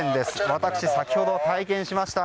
私、先ほど体験しました。